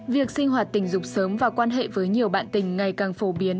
việc sinh hoạt tình dục sớm và quan hệ với nhiều bạn tình ngày càng phổ biến